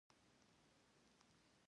ټپي ته باید له غم نه خلاصون ورکړو.